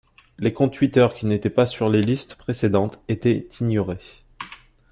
Les comptes Twitter qui n'étaient pas sur les listes précédentes étaient ignorés.